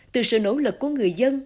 từ sự nỗ lực của người dân